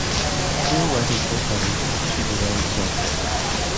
Before writing full-time, she designed software.